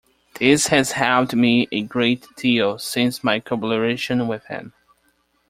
This has helped me a great deal since my collaboration with him.